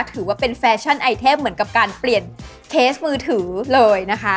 ถือว่าเป็นแฟชั่นไอเทพเหมือนกับการเปลี่ยนเคสมือถือเลยนะคะ